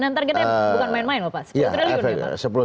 targetnya bukan main main loh pak sepuluh triliun ya pak